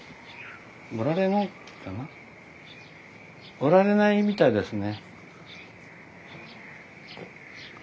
おられないみたいですね。